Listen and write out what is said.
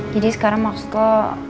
jadi sekarang maksud lo